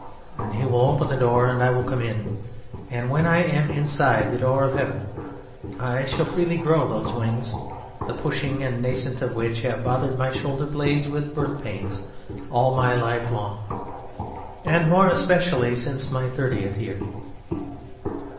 And he will open the door and I will come in. And when I am inside the door of Heaven I shall freely grow those wings, the pushing and nascence of which have bothered my shoulder blades with birth pains all my life long, and more especially since my thirtieth year.